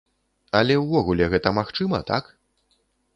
Але ўвогуле гэта магчыма, так?